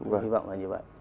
và hy vọng là như vậy